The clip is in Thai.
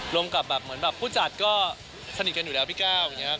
รวมกับแบบเหมือนแบบผู้จัดก็สนิทกันอยู่แล้วพี่ก้าวอย่างนี้ครับ